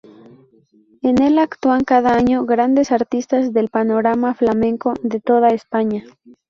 En el actúan cada año grandes artistas del panorama flamenco de toda España.